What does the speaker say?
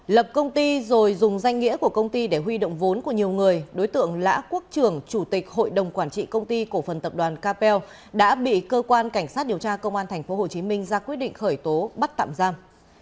lập công ty rồi dùng danh nghĩa của công ty để huy động vốn của nhiều người đối tượng lã quốc trưởng chủ tịch hội đồng quản trị công ty cổ phần tập đoàn capel đã bị cơ quan cảnh sát điều tra công an tp hcm ra quyết định khởi tố bắt tạm giam